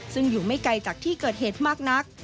ซึ่งอยู่ไม่ไกลจากที่เกิดเหตุมากนัก